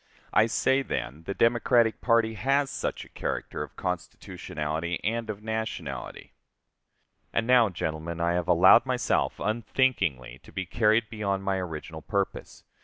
I say, then, the Democratic party has such a character of constitutionality and of nationality. And now, gentlemen, I have allowed myself unthinkingly to be carried beyond my original purpose.